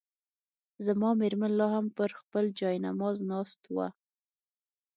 زما مېرمن لا هم پر خپل جاینماز ناست وه.